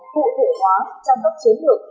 cụ thể hóa chăm sóc chiến lược